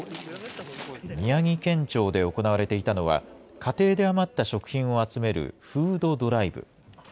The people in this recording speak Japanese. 宮城県庁で行われていたのは、家庭で余った食品を集めるフードドライブ。